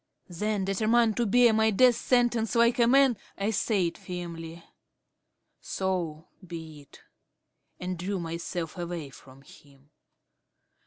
Then, determined to bear my death sentence like a man, I said firmly, "So be it," and drew myself away from him.